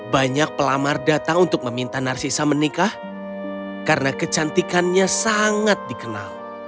banyak pelamar datang untuk meminta narsisa menikah karena kecantikannya sangat dikenal